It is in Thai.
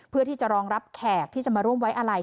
เพื่อที่จะรองรับแขกที่จะมาร่วมไว้อะไร